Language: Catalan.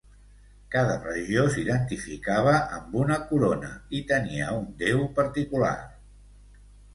Cada regió s'identificava amb una corona i tenia un déu particular.